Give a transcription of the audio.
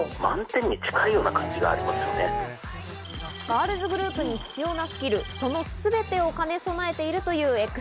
ガールズグループに必要なスキル、そのすべてを兼ね備えているというＸＧ。